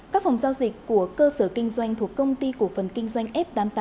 các phòng giao dịch của cơ sở kinh doanh thuộc công ty cổ phần kinh doanh f tám mươi tám